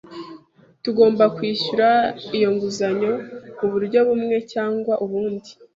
Tugomba kwishyura iyo nguzanyo muburyo bumwe cyangwa ubundi.